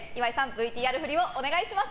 ＶＴＲ振りお願いします。